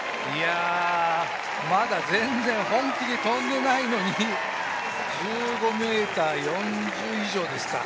まだ全然、本気で跳んでないのに１５ｍ４０以上ですか。